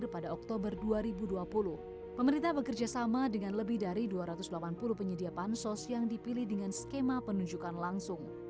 pemerintah bekerja sama dengan lebih dari dua ratus delapan puluh penyedia bansos yang dipilih dengan skema penunjukan langsung